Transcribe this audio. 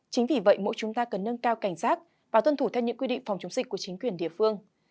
chính vì vậy mỗi chúng ta cần nâng cao cảnh giác và tuân thủ theo những quy định phòng chống dịch của chính quyền địa phương